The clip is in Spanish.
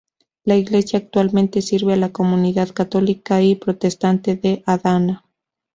La iglesia actualmente sirve a la comunidad Católica y protestante de Adana.